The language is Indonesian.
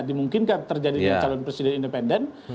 dimungkinkan terjadi dengan calon presiden independen